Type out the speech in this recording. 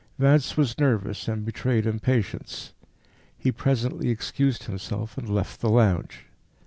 Vance was nervous and betrayed impatience. He presently excused himself and left the lounge.